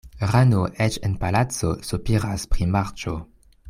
Rano eĉ en palaco sopiras pri marĉo.